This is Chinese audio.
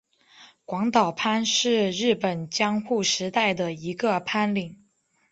广岛藩是日本江户时代的一个藩领。